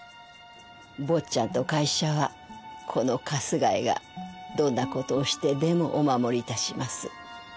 坊ちゃんと会社はこの春日井がどんな事をしてでもお守り致します。